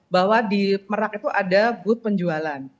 bahwa di merak itu ada booth penjualan